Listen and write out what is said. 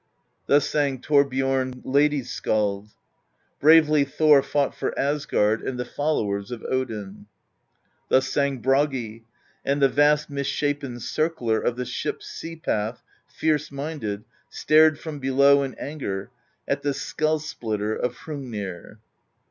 Thus sang Thorbjorn Lady's Skald: Bravely Thor fought for Asgard And the followers of Odin. Thus sang Bragi: And the vast misshapen circler Of the ship's sea path, fierce minded, Stared from below in anger At the Skull Splitter of Hrungnir.